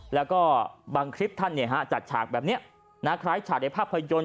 แล้วก็บางคลิปท่านเนี่ยฮะจัดฉากแบบเนี้ยนาคล้ายฉาใดภาพยนต์